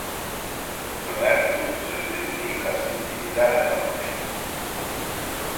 Ömer bu sözlerin neyi kastettiğini derhal anlamıştı.